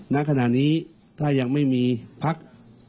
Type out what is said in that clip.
ณขณะนี้ถ้ายังไม่มีพัก